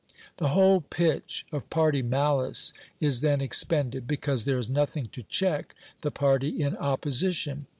The whole pitch of party malice is then expended, because there is nothing to check the party in opposition.